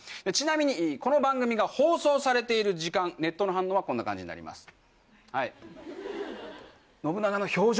ちなみにこの番組が放送されている時間ネットの反応はこんな感じになります。